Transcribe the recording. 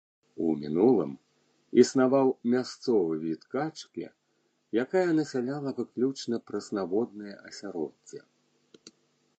У мінулым існаваў мясцовы від качкі, якая насяляла выключна прэснаводнае асяроддзе.